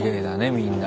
みんな。